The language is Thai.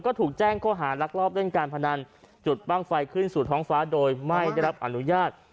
ก็ถูกแจ้งข้อหารักรอบเล่นการพนันจุดบ้างไฟขึ้นสู่ท้องฟ้าโดยไม่ได้รับอนุญาต